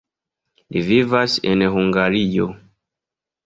Li vivas en Hungario.